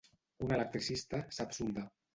Un electricista sap soldar.